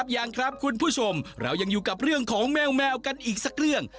ยังครับคุณผู้ชมเรายังอยู่กับเรื่องของแมวกันอีกสักเรื่อง